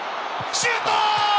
シュート！